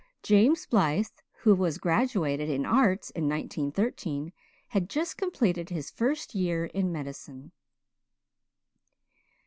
James Blythe, who was graduated in Arts in 1913, had just completed his first year in medicine.'"